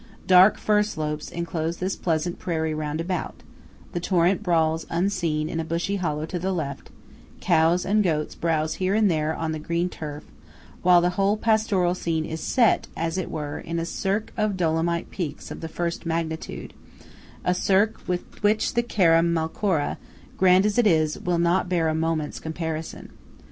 Dark fir slopes enclose this pleasant prairie round about; the torrent brawls unseen in a bushy hollow to the left; cows and goats browse here and there on the green turf; while the whole pastoral scene is "set," as it were, in a cirque of Dolomite peaks of the first magnitude–a cirque with which the Circa Malcora, grand as it is, will not bear a moment's comparison.